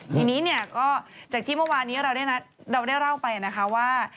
ทีนี้เนี่ยก็จากที่เมื่อวานี้เราได้เล่าไปนะคะว่า